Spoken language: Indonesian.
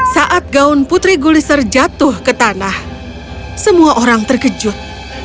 saat gaun putri guliser jatuh ke tanah semua orang terkejut